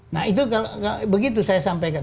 nah itu begitu saya sampaikan